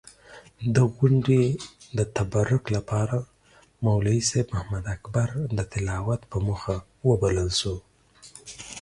د غونډې د تبرک لپاره مولوي صېب محمداکبر د تلاوت پۀ موخه وبلل شو.